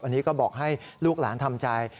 อันนี้ก็บอกให้ลูกหลานทำใจ